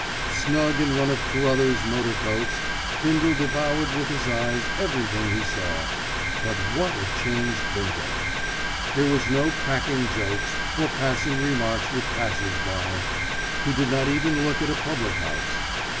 Snug in one of Carruthers' motor coats, Bindle devoured with his eyes everything he saw; but what a changed Bindle. There was no cracking jokes, or passing remarks with passers by. He did not even look at a public house.